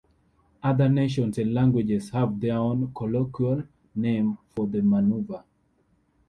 Other nations and languages have their own colloquial names for the maneuver.